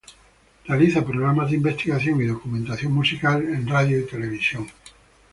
Realiza programas de investigación y documentación musical en radio y televisión.